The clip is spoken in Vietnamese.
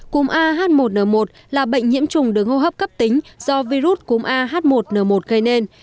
cúm a h một n một là bệnh nhiễm trùng đứng hô hấp cấp tính do virus cúm a h một n một gây nên